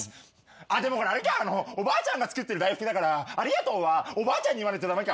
あっでもあれかおばあちゃんが作ってる大福だからありがとうはおばあちゃんに言わないと駄目か。